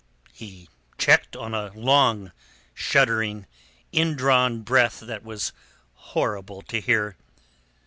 He checked on a long, shuddering, indrawn breath that was horrible to hear.